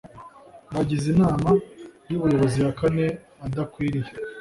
bagize Inama y Ubuyobozi ya kane adakwiriye